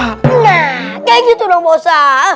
nah kayak gitu dong bosa